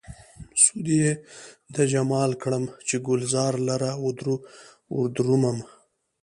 سود يې د جمال کړم، چې ګلزار لره ودرومم